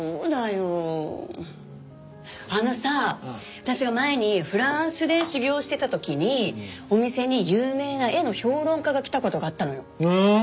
あのさ私が前にフランスで修業してた時にお店に有名な絵の評論家が来た事があったのよ。へえ。